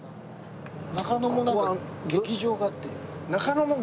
中野も劇場があって。